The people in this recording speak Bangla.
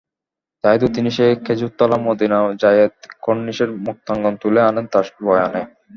তাইতো তিনি সেই খেজুরতলা, মদিনা যায়েদ, কর্ণিশের মুক্তাঙ্গন তুলে আনেন তাঁর বয়ানে।